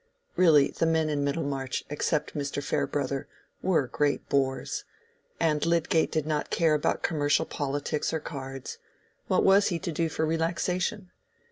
Really, the men in Middlemarch, except Mr. Farebrother, were great bores, and Lydgate did not care about commercial politics or cards: what was he to do for relaxation?